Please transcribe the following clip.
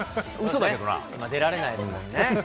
出られないですもんね。